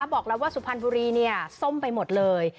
ผมบอกละว่าสุพรรณบุรีโซ่มไปหมดเลย